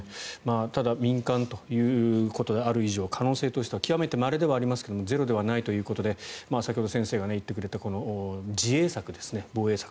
ただ民間ということである以上可能性としては極めてまれではありますがゼロではないということで先ほど先生が言ってくれた自衛策、防衛策